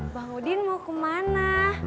bang udin mau kemana